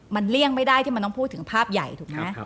มันเลี่ยงไม่ได้ที่มันต้องพูดถึงภาพใหญ่ถูกไหม